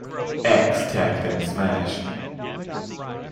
Ax tagged in Smash.